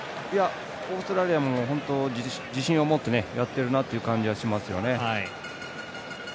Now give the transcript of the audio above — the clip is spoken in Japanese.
オーストラリアも自信を持ってやってるなという感じはします。